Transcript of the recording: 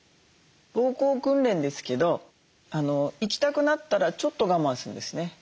膀胱訓練ですけど行きたくなったらちょっと我慢するんですね。